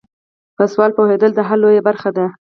په سوال پوهیدل د حل لویه برخه ده.